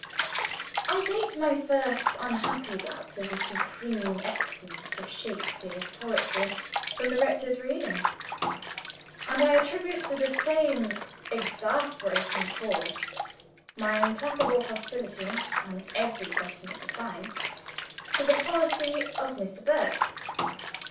I date my first unhappy doubts of the supreme excellence of Shakespeare's poetry from the rector's readings; and I attribute to the same exasperating cause my implacable hostility (on every question of the time) to the policy of Mr. Burke.